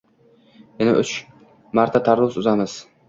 Yana uch marta tarvuz uzamiz.